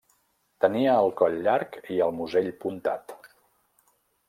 Tenia el coll llarg i el musell puntat.